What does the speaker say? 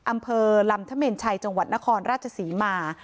อำเภอลำธเมนชัยจังหวัดนครราชศรีมา